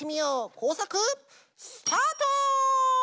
こうさくスタート！